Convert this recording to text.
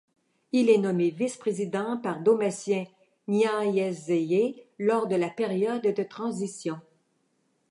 Il est nommé vice-président par Domitien Ndayizeye lors de la période de transition.